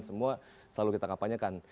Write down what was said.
semua selalu kita kampanyekan